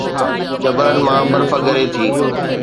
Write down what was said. جبلن مان برف ڳري ٿي